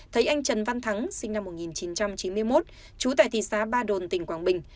thấy anh trần văn thắng sinh năm một nghìn chín trăm chín mươi một chú tải thị xá ba đồn tỉnh quảng bình